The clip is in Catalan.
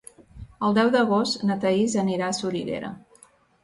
El deu d'agost na Thaís anirà a Soriguera.